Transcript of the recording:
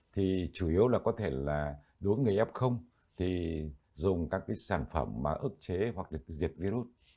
thì chủ yếu là có thể là đối với người ép không thì dùng các sản phẩm ức chế hoặc diệt virus